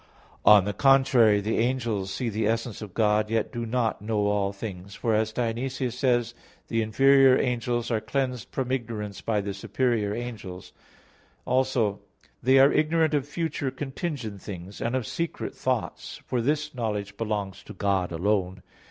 On the contrary, The angels see the essence of God; and yet do not know all things. For as Dionysius says (Coel. Hier. vii), "the inferior angels are cleansed from ignorance by the superior angels." Also they are ignorant of future contingent things, and of secret thoughts; for this knowledge belongs to God alone.